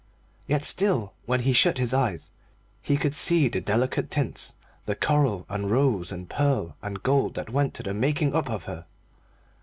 Yet still, when he shut his eyes, he could see the delicate tints, the coral, and rose, and pearl, and gold that went to the making up of her.